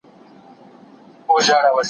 زه د وینو له سېلابه نن تازه یمه راغلی